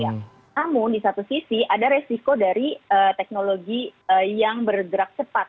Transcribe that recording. namun di satu sisi ada resiko dari teknologi yang bergerak cepat